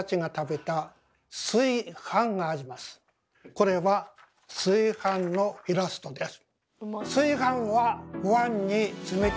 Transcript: これは水飯のイラストです。